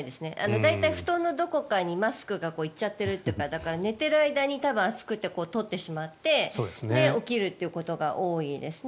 大体、布団のどこかにマスクが行っちゃってるというか寝ている間に暑くて取ってしまって起きるということが多いですね。